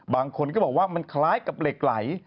บางคนก็บอกว่ามันคล้ายกับเหล็กไหล